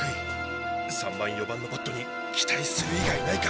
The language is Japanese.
３番４番のバットに期待する以外ないか。